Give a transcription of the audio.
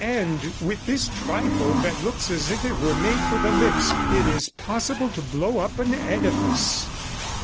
And with this trifle that looks as if it were made for the lips, it is possible to blow up an edifice!"